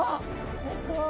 すっごい！